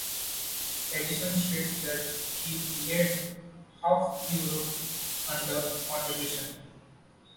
Addison states that "he laid half Europe under contribution".